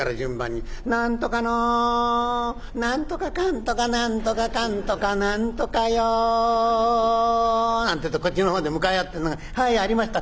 「何とかの何とかかんとか何とかかんとか何とかよ」「なんて言うとこっちの方で向かい合ってるのが『はいありました』。